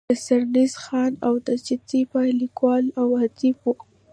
سرنزېب خان د اوچتې پائې ليکوال او اديب وو